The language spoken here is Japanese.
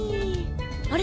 あれ？